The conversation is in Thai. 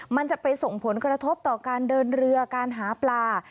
มันจะไปส่งผลกระทบต่อการเดินเรือการหาปลา